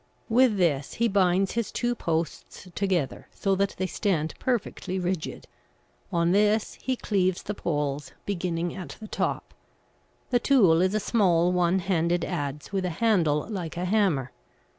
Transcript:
With this he binds his two posts together, so that they stand perfectly rigid. On this he cleaves the poles, beginning at the top. The tool is a small one handed adze with a handle like a hammer.